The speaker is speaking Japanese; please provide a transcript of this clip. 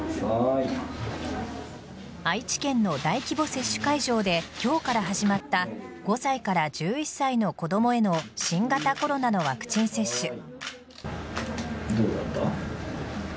愛知県の大規模接種会場で今日から始まった５歳から１１歳の子供への新型コロナのワクチン接種。